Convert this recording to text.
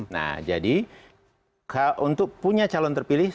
nah jadi untuk punya calon terpilih